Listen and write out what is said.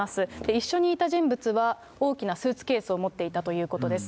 一緒にいた人物は、大きなスーツケースを持っていたということです。